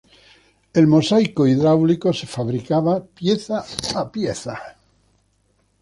El mosaico hidráulico se fabricaba pieza a pieza.